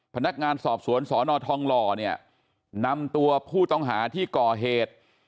พนักงานสอบสวนสนทองหล่อเนี่ยนำตัวผู้ต้องหาที่ก่อเหตุ